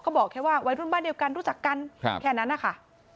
ก็บอกแค่ว่าวัยรุ่นบ้านเดียวกันรู้จักกันแค่นั้นนะคะ